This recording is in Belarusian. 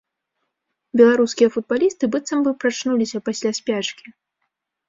Беларускія футбалісты быццам бы прачнуліся пасля спячкі.